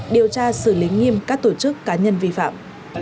điều tra xử lý nghiêm các tổ chức cá nhân vi phạm